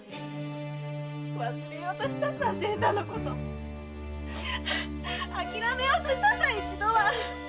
忘れようとしたさ清さんのこと諦めようとしたさ一度は！